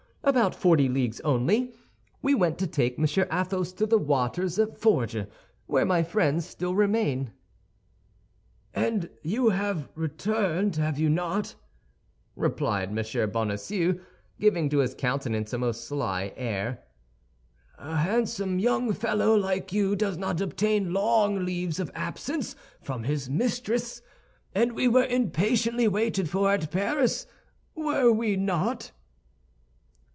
About forty leagues only. We went to take Monsieur Athos to the waters of Forges, where my friends still remain." "And you have returned, have you not?" replied M. Bonacieux, giving to his countenance a most sly air. "A handsome young fellow like you does not obtain long leaves of absence from his mistress; and we were impatiently waited for at Paris, were we not?"